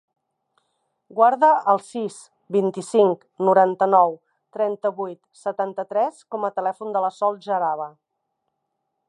Guarda el sis, vint-i-cinc, noranta-nou, trenta-vuit, setanta-tres com a telèfon de la Sol Jaraba.